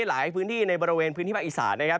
หลายพื้นที่ในบริเวณพื้นที่ภาคอีสานนะครับ